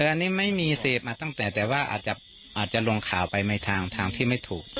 อันนี้ไม่มีเสพมาตั้งแต่แต่ว่าอาจจะลงข่าวไปในทางที่ไม่ถูก